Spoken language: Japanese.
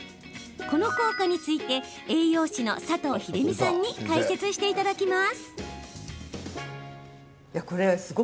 この効果について栄養士の佐藤秀美さんに解説していただきます。